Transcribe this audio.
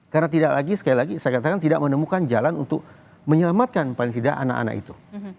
karena tidak lagi sekali lagi saya katakan tidak menemukan jalan untuk menyelamatkan paling tidak anak anak itu